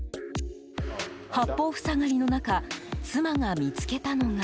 八方塞がりの中妻が見つけたのが。